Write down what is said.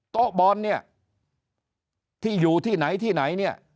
โต๊ะบอลเนี่ยที่อยู่ที่ไหนที่ไหนเนี่ย